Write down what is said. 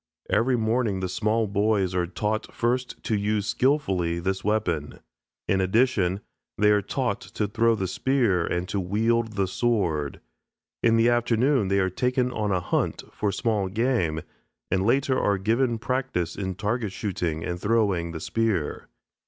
Every morning the small boys are taught first to use skilfully this weapon. In addition they are taught to throw the spear and to wield the sword. In the afternoon they are taken on a hunt for small game, and later are given practice in target shooting and throwing the spear.